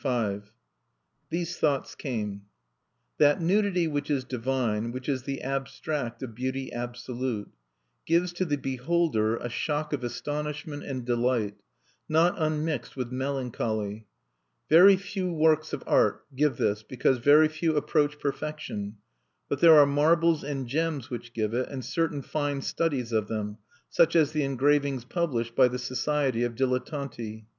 V These thoughts came: That nudity which is divine, which is the abstract of beauty absolute, gives to the beholder a shock of astonishment and delight, not unmixed with melancholy. Very few works of art give this, because very few approach perfection. But there are marbles and gems which give it, and certain fine studies of them, such as the engravings published by the Society of Dilettanti.